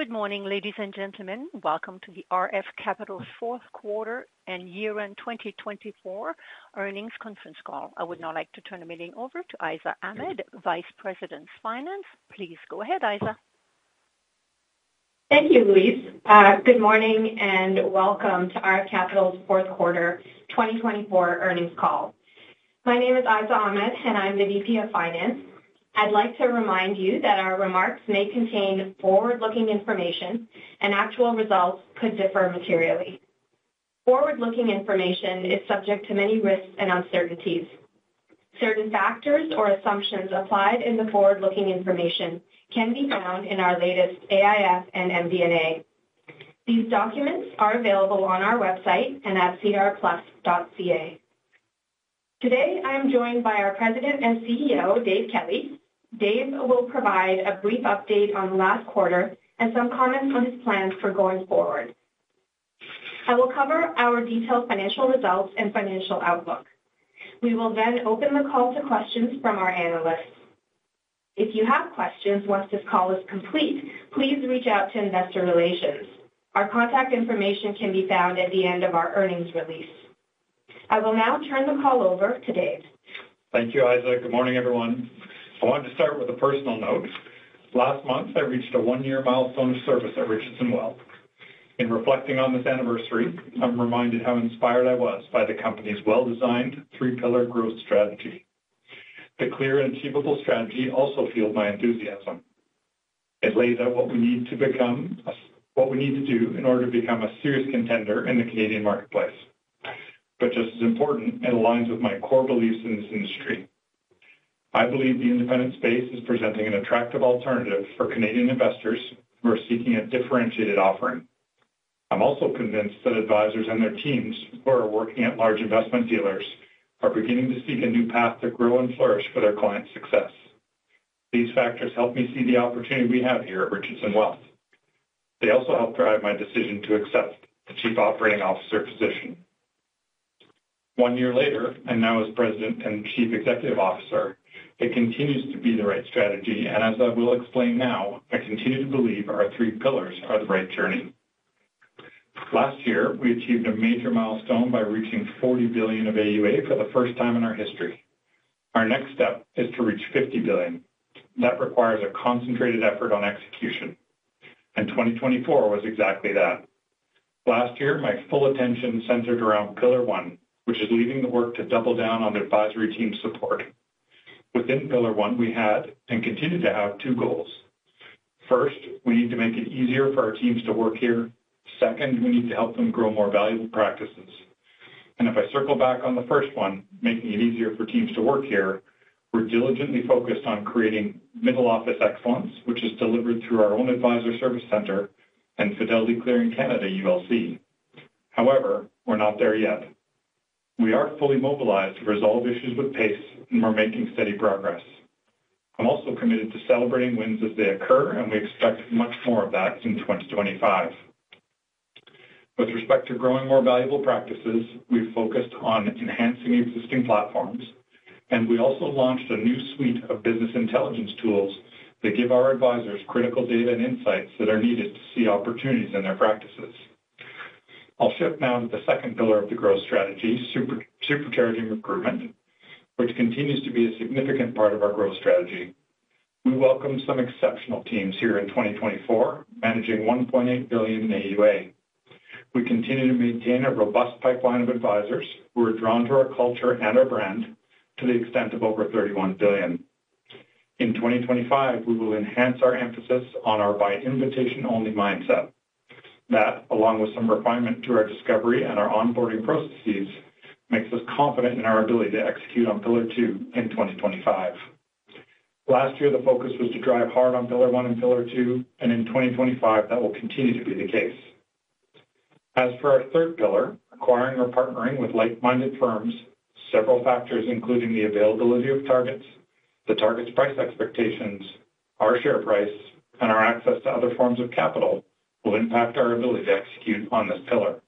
Good morning, ladies and gentlemen. Welcome to the RF Capital Fourth Quarter and Year End 2024 Earnings Conference Call. I would now like to turn the meeting over to Ayeza Ahmed, Vice President of Finance. Please go ahead, Ayeza. Thank you, Louise. Good morning and welcome to RF Capital's Fourth Quarter 2024 Earnings Call. My name is Ayeza Ahmed, and I'm the VP of Finance. I'd like to remind you that our remarks may contain forward-looking information, and actual results could differ materially. Forward-looking information is subject to many risks and uncertainties. Certain factors or assumptions applied in the forward-looking information can be found in our latest AIF and MD&A. These documents are available on our website and at sedarplus.ca. Today, I am joined by our President and CEO, Dave Kelly. Dave will provide a brief update on last quarter and some comments on his plans for going forward. I will cover our detailed financial results and financial outlook. We will then open the call to questions from our analysts. If you have questions once this call is complete, please reach out to Investor Relations. Our contact information can be found at the end of our earnings release. I will now turn the call over to Dave. Thank you, Ayeza. Good morning, everyone. I wanted to start with a personal note. Last month, I reached a one-year milestone of service at Richardson Wealth. In reflecting on this anniversary, I'm reminded how inspired I was by the company's well-designed three-pillar growth strategy. The clear and achievable strategy also fueled my enthusiasm. It lays out what we need to become, what we need to do in order to become a serious contender in the Canadian marketplace. Just as important, it aligns with my core beliefs in this industry. I believe the independent space is presenting an attractive alternative for Canadian investors who are seeking a differentiated offering. I'm also convinced that advisors and their teams who are working at large investment dealers are beginning to seek a new path to grow and flourish for their clients' success. These factors help me see the opportunity we have here at Richardson Wealth. They also help drive my decision to accept the Chief Operating Officer position. One year later, and now as President and Chief Executive Officer, it continues to be the right strategy. As I will explain now, I continue to believe our three pillars are the right journey. Last year, we achieved a major milestone by reaching 40 billion of AUA for the first time in our history. Our next step is to reach 50 billion. That requires a concentrated effort on execution. The year 2024 was exactly that. Last year, my full attention centered around Pillar One, which is leading the work to double down on the advisory team's support. Within Pillar One, we had and continue to have two goals. First, we need to make it easier for our teams to work here. Second, we need to help them grow more valuable practices. If I circle back on the first one, making it easier for teams to work here, we're diligently focused on creating middle office excellence, which is delivered through our own advisor service center and Fidelity Clearing Canada ULC. However, we're not there yet. We are fully mobilized to resolve issues with pace, and we're making steady progress. I'm also committed to celebrating wins as they occur, and we expect much more of that in 2025. With respect to growing more valuable practices, we've focused on enhancing existing platforms, and we also launched a new suite of business intelligence tools that give our advisors critical data and insights that are needed to see opportunities in their practices. I'll shift now to the second pillar of the growth strategy, supercharging recruitment, which continues to be a significant part of our growth strategy. We welcome some exceptional teams here in 2024, managing 1.8 billion in AUA. We continue to maintain a robust pipeline of advisors who are drawn to our culture and our brand to the extent of over 31 billion. In 2025, we will enhance our emphasis on our by-invitation-only mindset. That, along with some refinement to our discovery and our onboarding processes, makes us confident in our ability to execute on Pillar Two in 2025. Last year, the focus was to drive hard on Pillar One and Pillar Two, and in 2025, that will continue to be the case. As for our third pillar, acquiring or partnering with like-minded firms, several factors, including the availability of targets, the target's price expectations, our share price, and our access to other forms of capital, will impact our ability to execute on this pillar.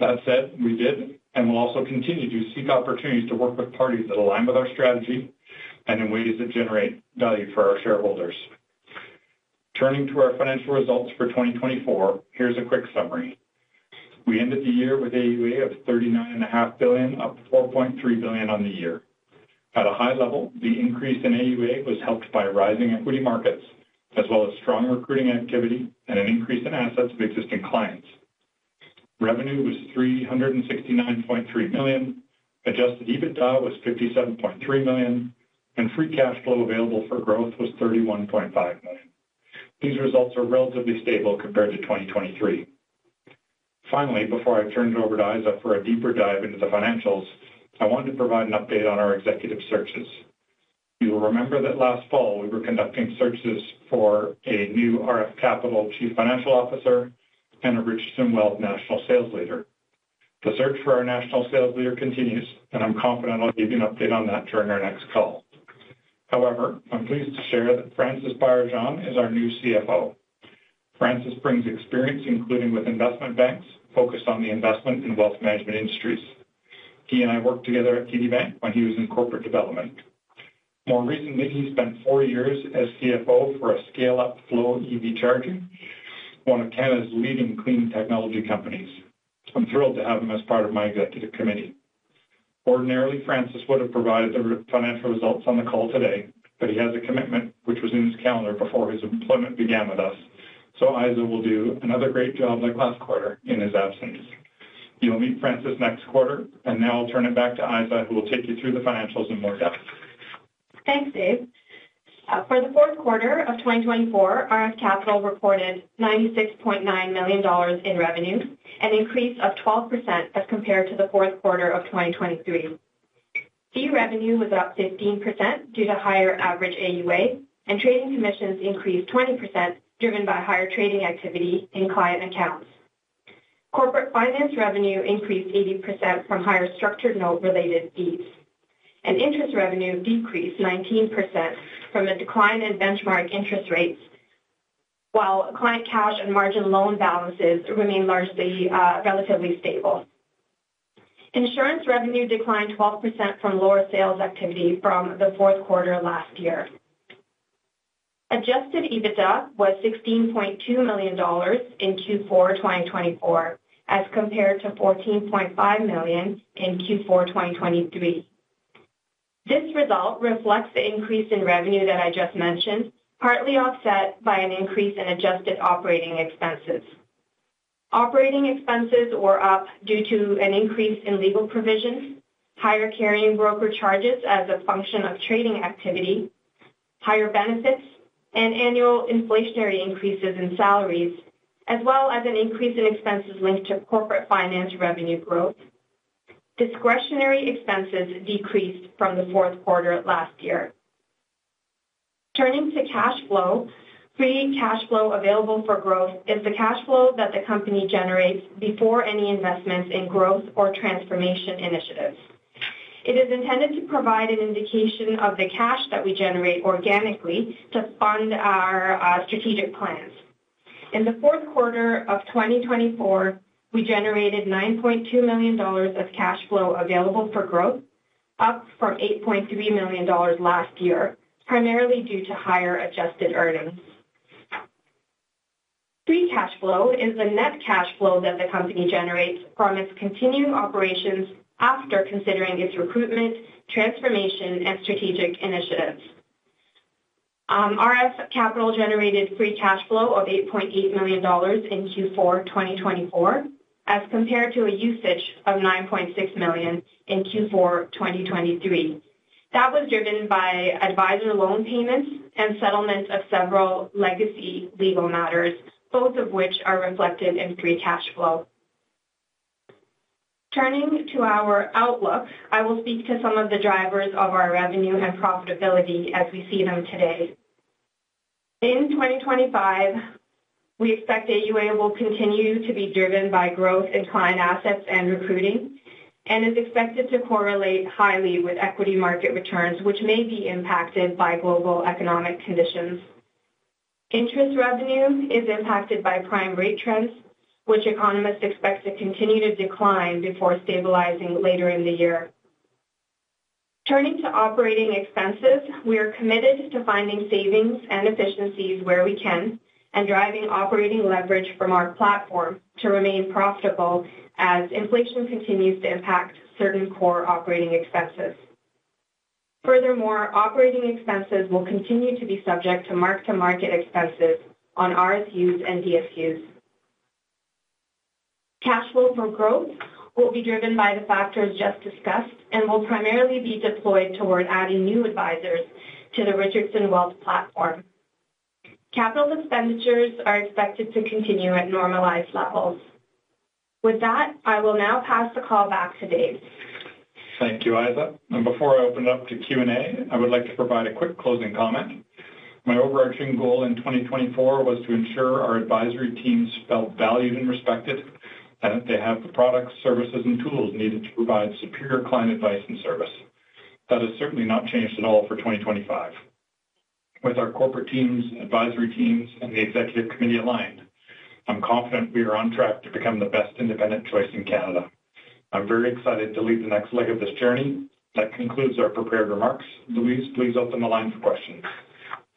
That said, we did and will also continue to seek opportunities to work with parties that align with our strategy and in ways that generate value for our shareholders. Turning to our financial results for 2024, here's a quick summary. We ended the year with AUA of 39.5 billion, up 4.3 billion on the year. At a high level, the increase in AUA was helped by rising equity markets, as well as strong recruiting activity and an increase in assets of existing clients. Revenue was 369.3 million, adjusted EBITDA was 57.3 million, and free cash flow available for growth was 31.5 million. These results are relatively stable compared to 2023. Finally, before I turn it over to Ayeza for a deeper dive into the financials, I wanted to provide an update on our executive searches. You'll remember that last fall, we were conducting searches for a new RF Capital Chief Financial Officer and a Richardson Wealth National Sales Leader. The search for our National Sales Leader continues, and I'm confident I'll give you an update on that during our next call. However, I'm pleased to share that Francis Baillargeon is our new CFO. Francis brings experience, including with investment banks, focused on the investment and wealth management industries. He and I worked together at TD Bank when he was in corporate development. More recently, he spent four years as CFO for a scale-up, FLO EV Charging, one of Canada's leading clean technology companies. I'm thrilled to have him as part of my executive committee. Ordinarily, Francis would have provided the financial results on the call today, but he has a commitment, which was in his calendar before his employment began with us. Ayeza will do another great job like last quarter in his absence. You'll meet Francis next quarter, and now I'll turn it back to Ayeza, who will take you through the financials in more depth. Thanks, Dave. For the fourth quarter of 2024, RF Capital reported CAD 96.9 million in revenue, an increase of 12% as compared to the fourth quarter of 2023. Fee revenue was up 15% due to higher average AUA, and trading commissions increased 20%, driven by higher trading activity in client accounts. Corporate finance revenue increased 80% from higher structured note-related fees. Interest revenue decreased 19% from a decline in benchmark interest rates, while client cash and margin loan balances remain largely relatively stable. Insurance revenue declined 12% from lower sales activity from the fourth quarter last year. Adjusted EBITDA was 16.2 million dollars in Q4 2024, as compared to 14.5 million in Q4 2023. This result reflects the increase in revenue that I just mentioned, partly offset by an increase in adjusted operating expenses. Operating expenses were up due to an increase in legal provisions, higher carrying broker charges as a function of trading activity, higher benefits, and annual inflationary increases in salaries, as well as an increase in expenses linked to corporate finance revenue growth. Discretionary expenses decreased from the fourth quarter last year. Turning to cash flow, free cash flow available for growth is the cash flow that the company generates before any investments in growth or transformation initiatives. It is intended to provide an indication of the cash that we generate organically to fund our strategic plans. In the fourth quarter of 2024, we generated 9.2 million dollars of cash flow available for growth, up from 8.3 million dollars last year, primarily due to higher adjusted earnings. Free cash flow is the net cash flow that the company generates from its continuing operations after considering its recruitment, transformation, and strategic initiatives. RF Capital generated free cash flow of 8.8 million dollars in Q4 2024, as compared to a usage of 9.6 million in Q4 2023. That was driven by advisor loan payments and settlements of several legacy legal matters, both of which are reflected in free cash flow. Turning to our outlook, I will speak to some of the drivers of our revenue and profitability as we see them today. In 2025, we expect AUA will continue to be driven by growth in client assets and recruiting, and is expected to correlate highly with equity market returns, which may be impacted by global economic conditions. Interest revenue is impacted by prime rate trends, which economists expect to continue to decline before stabilizing later in the year. Turning to operating expenses, we are committed to finding savings and efficiencies where we can and driving operating leverage from our platform to remain profitable as inflation continues to impact certain core operating expenses. Furthermore, operating expenses will continue to be subject to mark-to-market expenses on RSUs and DSUs. Cash flow for growth will be driven by the factors just discussed and will primarily be deployed toward adding new advisors to the Richardson Wealth platform. Capital expenditures are expected to continue at normalized levels. With that, I will now pass the call back to Dave. Thank you, Ayeza. Before I open it up to Q&A, I would like to provide a quick closing comment. My overarching goal in 2024 was to ensure our advisory teams felt valued and respected, and that they have the products, services, and tools needed to provide superior client advice and service. That has certainly not changed at all for 2025. With our corporate teams, advisory teams, and the executive committee aligned, I'm confident we are on track to become the best independent choice in Canada. I'm very excited to lead the next leg of this journey. That concludes our prepared remarks. Louise, please open the line for questions.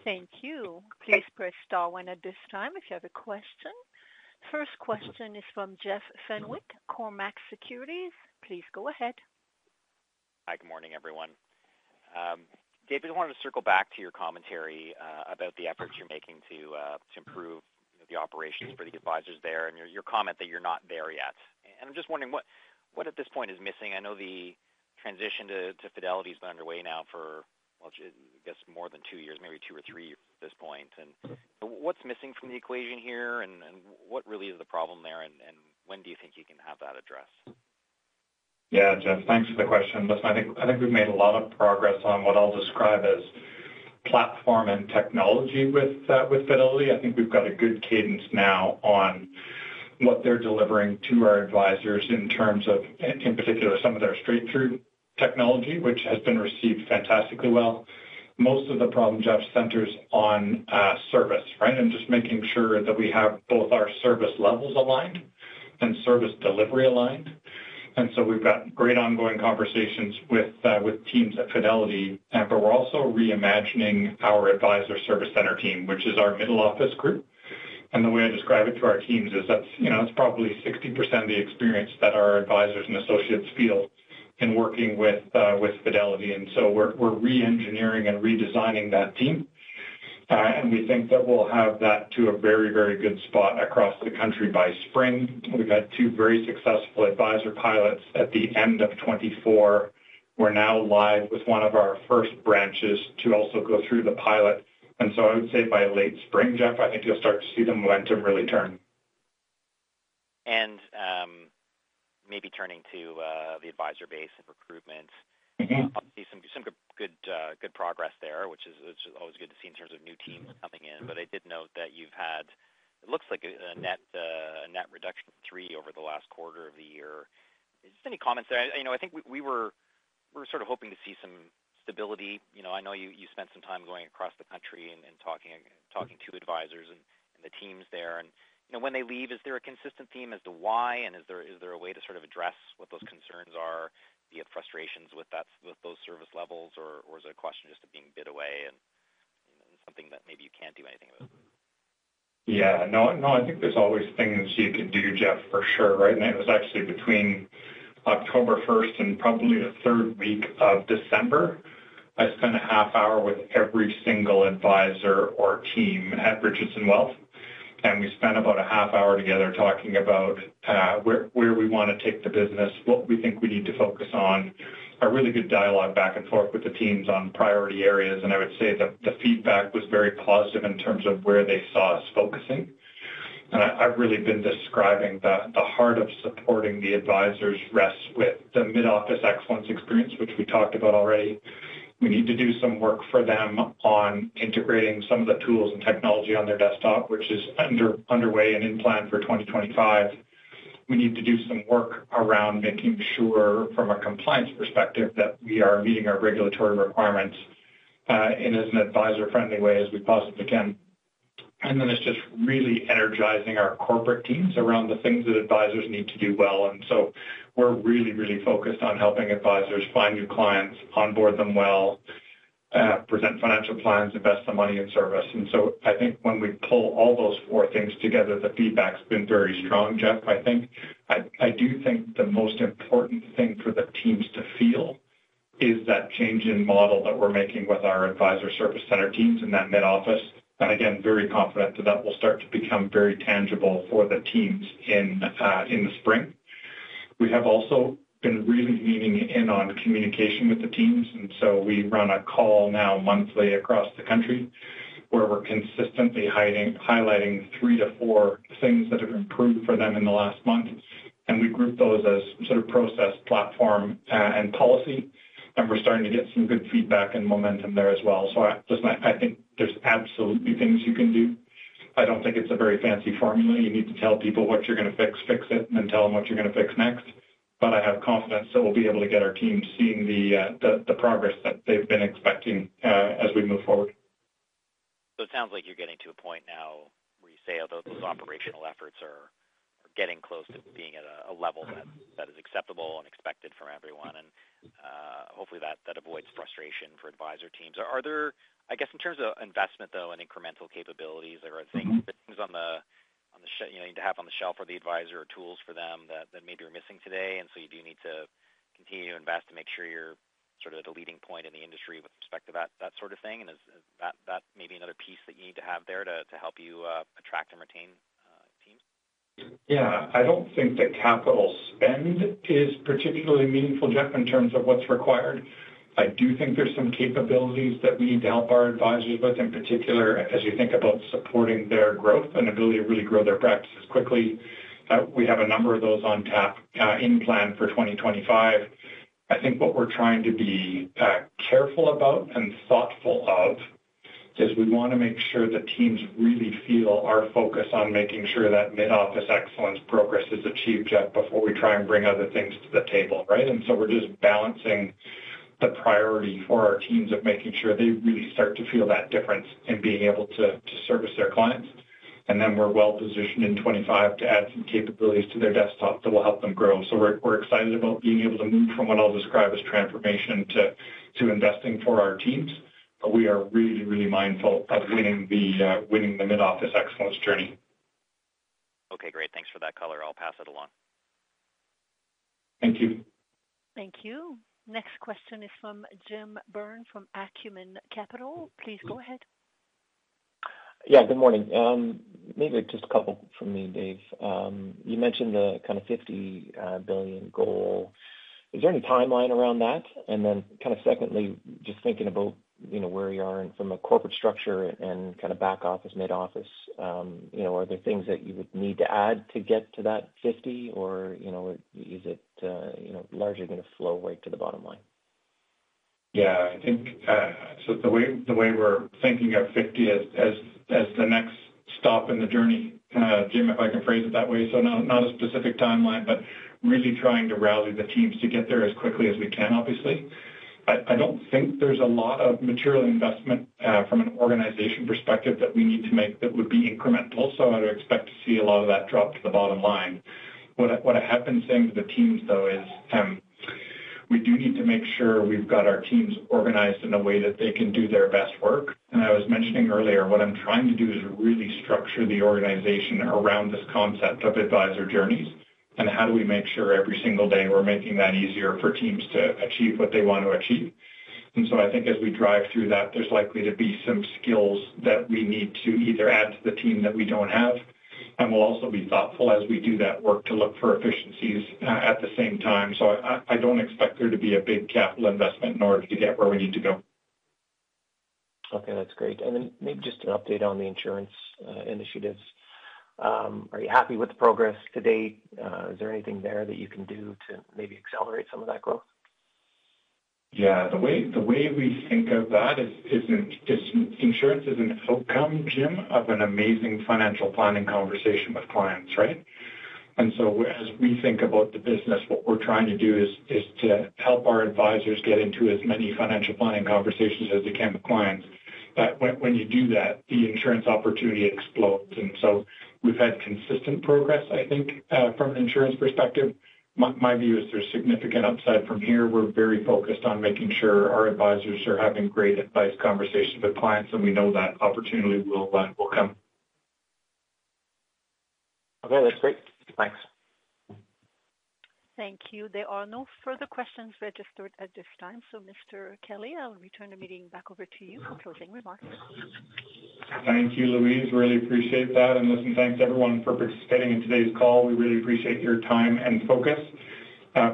Thank you. Please press star when at this time if you have a question. First question is from Jeff Fenwick, Cormark Securities. Please go ahead. Hi, good morning, everyone. Dave, I wanted to circle back to your commentary about the efforts you're making to improve the operations for the advisors there and your comment that you're not there yet. I'm just wondering what at this point is missing. I know the transition to Fidelity has been underway now for, I guess, more than two years, maybe two or three years at this point. What's missing from the equation here, what really is the problem there, and when do you think you can have that addressed? Yeah, Jeff, thanks for the question. I think we've made a lot of progress on what I'll describe as platform and technology with Fidelity. I think we've got a good cadence now on what they're delivering to our advisors in terms of, in particular, some of their straight-through technology, which has been received fantastically well. Most of the problem, Jeff, centers on service, right, and just making sure that we have both our service levels aligned and service delivery aligned. We've got great ongoing conversations with teams at Fidelity, but we're also reimagining our advisor service center team, which is our middle office group. The way I describe it to our teams is that's probably 60% of the experience that our advisors and associates feel in working with Fidelity. We're re-engineering and redesigning that team. We think that we'll have that to a very, very good spot across the country by spring. We've had two very successful advisor pilots at the end of 2024. We're now live with one of our first branches to also go through the pilot. I would say by late spring, Jeff, I think you'll start to see the momentum really turn. Maybe turning to the advisor base and recruitment, I see some good progress there, which is always good to see in terms of new teams coming in. I did note that you've had, it looks like, a net reduction of three over the last quarter of the year. Is there any comment there? I think we were sort of hoping to see some stability. I know you spent some time going across the country and talking to advisors and the teams there. When they leave, is there a consistent theme as to why, and is there a way to sort of address what those concerns are via frustrations with those service levels, or is it a question just of being bid away and something that maybe you can't do anything about? Yeah. No, I think there's always things you can do, Jeff, for sure. Right now, it was actually between October 1 and probably the third week of December, I spent a half hour with every single advisor or team at Richardson Wealth. We spent about a half hour together talking about where we want to take the business, what we think we need to focus on, a really good dialogue back and forth with the teams on priority areas. I would say that the feedback was very positive in terms of where they saw us focusing. I've really been describing that the heart of supporting the advisors rests with the mid-office excellence experience, which we talked about already. We need to do some work for them on integrating some of the tools and technology on their desktop, which is underway and in plan for 2025. We need to do some work around making sure, from a compliance perspective, that we are meeting our regulatory requirements in as an advisor-friendly way as we possibly can. It is just really energizing our corporate teams around the things that advisors need to do well. We are really, really focused on helping advisors find new clients, onboard them well, present financial plans, invest the money in service. I think when we pull all those four things together, the feedback's been very strong, Jeff. I do think the most important thing for the teams to feel is that change in model that we are making with our advisor service center teams in that mid-office. I am very confident that that will start to become very tangible for the teams in the spring. We have also been really leaning in on communication with the teams. We run a call now monthly across the country where we're consistently highlighting three to four things that have improved for them in the last month. We group those as sort of process, platform, and policy. We're starting to get some good feedback and momentum there as well. I think there's absolutely things you can do. I don't think it's a very fancy formula. You need to tell people what you're going to fix, fix it, and then tell them what you're going to fix next. I have confidence that we'll be able to get our teams seeing the progress that they've been expecting as we move forward. It sounds like you're getting to a point now where you say those operational efforts are getting close to being at a level that is acceptable and expected from everyone. Hopefully, that avoids frustration for advisor teams. I guess in terms of investment, though, and incremental capabilities, there are things on the shelf for the advisor or tools for them that maybe are missing today. You do need to continue to invest to make sure you're sort of at the leading point in the industry with respect to that sort of thing. Is that maybe another piece that you need to have there to help you attract and retain teams? Yeah. I do not think that capital spend is particularly meaningful, Jeff, in terms of what is required. I do think there are some capabilities that we need to help our advisors with, in particular, as you think about supporting their growth and ability to really grow their practices quickly. We have a number of those on tap in plan for 2025. I think what we are trying to be careful about and thoughtful of is we want to make sure the teams really feel our focus on making sure that mid-office excellence progress is achieved, Jeff, before we try and bring other things to the table, right? We are just balancing the priority for our teams of making sure they really start to feel that difference in being able to service their clients. We are well-positioned in 2025 to add some capabilities to their desktop that will help them grow. We are excited about being able to move from what I'll describe as transformation to investing for our teams. We are really, really mindful of winning the mid-office excellence journey. Okay, great. Thanks for that, Color. I'll pass it along. Thank you. Thank you. Next question is from Jim Byrne from Acumen Capital. Please go ahead. Yeah, good morning. Maybe just a couple from me, Dave. You mentioned the kind of $50 billion goal. Is there any timeline around that? Secondly, just thinking about where you are from a corporate structure and kind of back-office, mid-office, are there things that you would need to add to get to that $50, or is it largely going to flow right to the bottom line? Yeah. I think the way we're thinking of $50 as the next stop in the journey, Jim, if I can phrase it that way. Not a specific timeline, but really trying to rally the teams to get there as quickly as we can, obviously. I don't think there's a lot of material investment from an organization perspective that we need to make that would be incremental. I would expect to see a lot of that drop to the bottom line. What I have been saying to the teams, though, is we do need to make sure we've got our teams organized in a way that they can do their best work. I was mentioning earlier, what I'm trying to do is really structure the organization around this concept of advisor journeys. How do we make sure every single day we're making that easier for teams to achieve what they want to achieve? I think as we drive through that, there's likely to be some skills that we need to either add to the team that we don't have. We'll also be thoughtful as we do that work to look for efficiencies at the same time. I don't expect there to be a big capital investment in order to get where we need to go. Okay, that's great. Maybe just an update on the insurance initiatives. Are you happy with the progress to date? Is there anything there that you can do to maybe accelerate some of that growth? Yeah. The way we think of that is insurance is an outcome, Jim, of an amazing financial planning conversation with clients, right? As we think about the business, what we're trying to do is to help our advisors get into as many financial planning conversations as they can with clients. When you do that, the insurance opportunity explodes. We have had consistent progress, I think, from an insurance perspective. My view is there's significant upside from here. We're very focused on making sure our advisors are having great advice conversations with clients, and we know that opportunity will come. Okay, that's great. Thanks. Thank you. There are no further questions registered at this time. Mr. Kelly, I'll return the meeting back over to you for closing remarks. Thank you, Louise. Really appreciate that. Listen, thanks everyone for participating in today's call. We really appreciate your time and focus.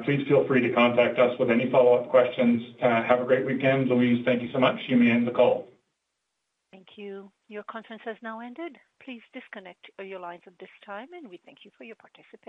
Please feel free to contact us with any follow-up questions. Have a great weekend. Louise, thank you so much. You may end the call. Thank you. Your conference has now ended. Please disconnect your lines at this time, and we thank you for your participation.